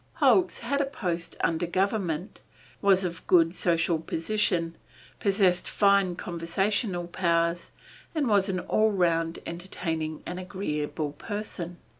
Holz had a post under government, was of good social position, possessed fine conversational powers, and was an all round entertaining and agreeable person.